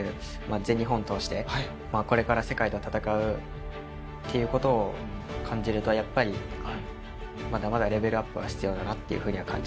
全日本通してこれから世界と戦うっていうことを感じるとやっぱりまだまだレベルアップは必要だなと感じます。